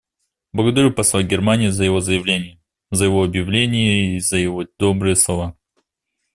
Благодарю посла Германии за его заявление, за его объявление и за его добрые слова.